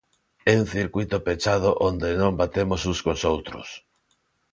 É un circuíto pechado onde non batemos uns cos outros.